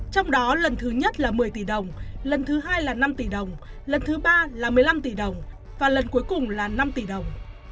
trong đó lần thứ nhất là một mươi tỷ đồng lần thứ hai là năm tỷ đồng lần thứ ba là một mươi năm tỷ đồng và lần cuối cùng là năm tỷ đồng